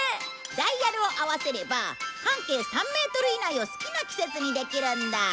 ダイヤルを合わせれば半径３メートル以内を好きな季節にできるんだ。